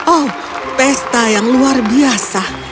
oh pesta yang luar biasa